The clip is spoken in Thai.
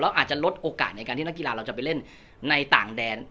อาจจะลดโอกาสในการที่นักกีฬาเราจะไปเล่นในต่างแดน